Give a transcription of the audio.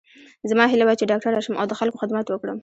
زما هیله وه چې ډاکټره شم او د خلکو خدمت وکړم